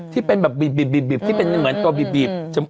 ที่เป็นแบบบีบที่เป็นเหมือนตัวบีบ